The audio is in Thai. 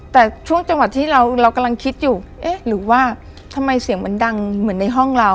แต่ช่วงจังหวัดที่เรากำลังคิดอยู่เอ๊ะหรือว่าทำไมเสียงมันดังเหมือนในห้องเรา